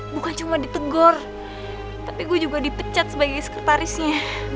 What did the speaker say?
bukan cuma ditegur tapi saya juga dipecat sebagai sekretarisnya